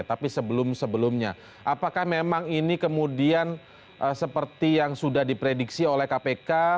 tapi sebelum sebelumnya apakah memang ini kemudian seperti yang sudah diprediksi oleh kpk